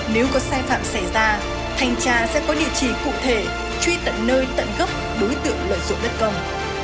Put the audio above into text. nếu có sai phạm xảy ra thanh tra sẽ có địa chỉ cụ thể truy tận nơi tận gốc đối tượng lợi dụng đất công